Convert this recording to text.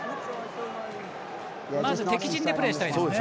まず敵陣でプレーしたいですね。